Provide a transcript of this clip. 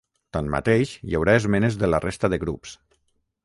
Tanmateix, hi haurà esmenes de la resta de grups.